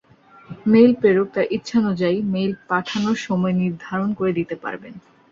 Mail প্রেরক তাঁর ইচ্ছানুযায়ী মেইল পাঠানোর সময় নির্ধারণ করে দিতে পারবেন।